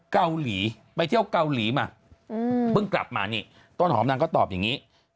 เกาหลีไปเที่ยวเกาหลีมาเพิ่งกลับมานี่ต้นหอมนางก็ตอบอย่างนี้